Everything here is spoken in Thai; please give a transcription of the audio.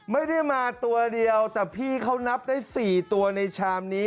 ไม่ได้มาตัวเดียวแต่พี่เขานับได้๔ตัวในชามนี้